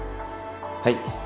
はい。